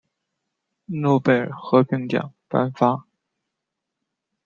诺贝尔和平奖颁发。